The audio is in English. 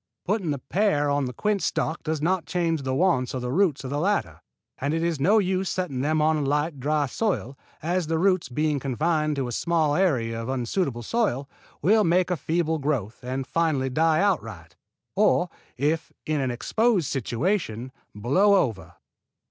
Putting the pear on the quince stock does not change the wants of the roots of the latter, and it is no use setting them on a light, dry soil, as the roots being confined to a small area of unsuitable soil, will make a feeble growth and finally die outright; or, if in an exposed situation, blow over.